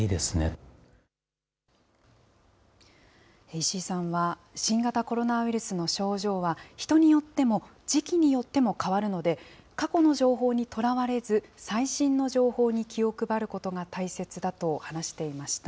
石井さんは、新型コロナウイルスの症状は人によっても時期によっても変わるので、過去の情報にとらわれず、最新の情報に気を配ることが大切だと話していました。